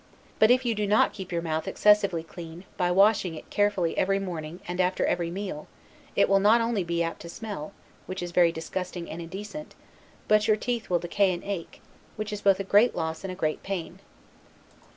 But if you do not keep your mouth excessively clean, by washing it carefully every morning, and after every meal, it will not only be apt to smell, which is very disgusting and indecent, but your teeth will decay and ache, which is both a great loss and a great pain.